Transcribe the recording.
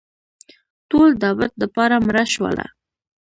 ټول دابد دپاره مړه شوله